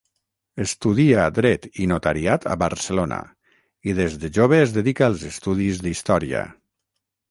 Estudia Dret i notariat a Barcelona, i des de jove es dedica als estudis d'història.